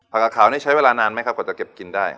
กะขาวนี่ใช้เวลานานไหมครับกว่าจะเก็บกินได้